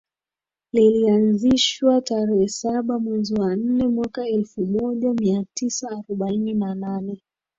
Lilianzishwa tarehe saba mwezi wa nne mwaka elfu moja mia tisa arobaini na nane